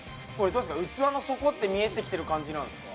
器の底って見えてきてる感じなんすか？